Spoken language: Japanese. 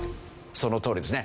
そのとおりですね。